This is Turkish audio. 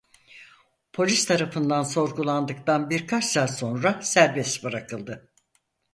Polis tarafından sorgulandıktan birkaç saat sonra serbest bırakıldı.